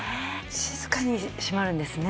静かに閉まるんですね。